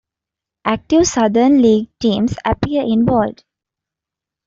Active Southern League teams appear in bold.